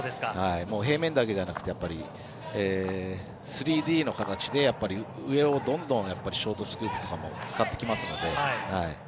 平面だけじゃなくて３Ｄの形で、上もどんどんショートスクープとかも使ってきますので。